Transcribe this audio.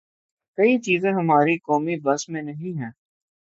کئی چیزیں ہمارے قومی بس میں نہیں ہیں۔